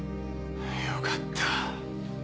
よかった。